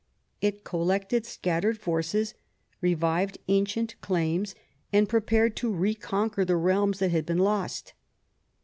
It collected scattered forces, revived ancient claims, and prepared to reconquer the realms that had been lost.